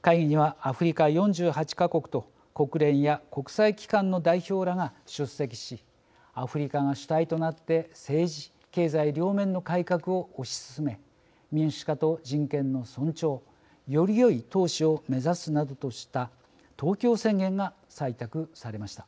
会議にはアフリカ４８か国と国連や国際機関の代表らが出席しアフリカが主体となって政治・経済両面の改革を推し進め民主化と人権の尊重よりよい統治を目指すなどとした東京宣言が採択されました。